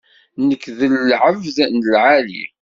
Nekk d lεebd n lεali.